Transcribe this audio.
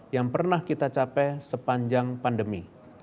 yang pernah kita capai sepanjang pandemi